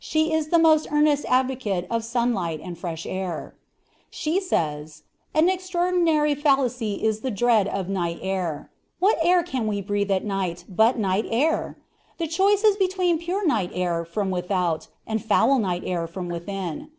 She is the most earnest advocate of sunlight and fresh air. She says: "An extraordinary fallacy is the dread of night air. What air can we breathe at night but night air? The choice is between pure night air from without, and foul night air from within.